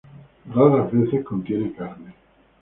Raras veces contiene carne.